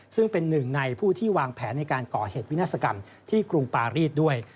ซึ่งเป็นหนึ่งในผู้ที่วางแผนในการก่อเหตุวินาศกรรมที่กรุงปารีสด้วย